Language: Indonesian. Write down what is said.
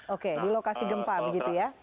oke di lokasi gempa begitu ya